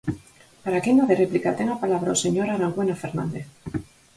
Para a quenda de réplica ten a palabra o señor Arangüena Fernández.